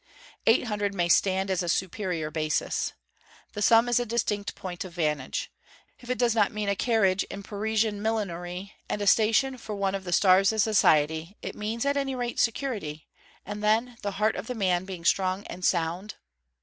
Eight hundred may stand as a superior basis. That sum is a distinct point of vantage. If it does not mean a carriage and Parisian millinery and a station for one of the stars of society, it means at any rate security; and then, the heart of the man being strong and sound...